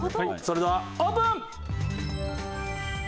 それではオープン！